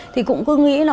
thì cũng cứ nghĩ là